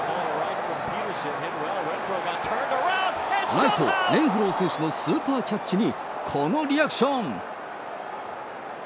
ライト、レンフロー選手のスーパーキャッチにこのリアクション。